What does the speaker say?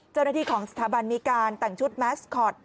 เจ้าหน้าที่ของสถาบันมีการแต่งชุดแมสคอต